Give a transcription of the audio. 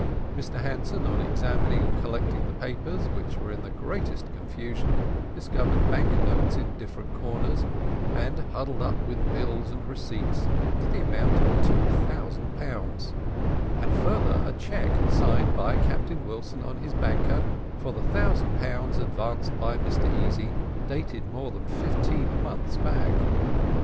Mr Hanson, on examining and collecting the papers, which were in the greatest confusion, discovered bank notes in different corners, and huddled up with bills and receipts, to the amount of two thousand pounds, and further, a cheque signed by Captain Wilson on his banker, for the thousand pounds advanced by Mr Easy, dated more than fifteen months back.